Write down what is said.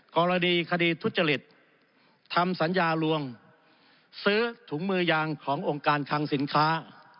กรณีคดีทุจริตทำสัญญาลวงซื้อถุงมือยางขององค์การคังสินค้า